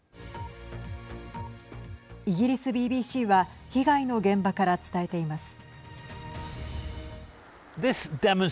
イギリスＢＢＣは被害の現場から伝えています。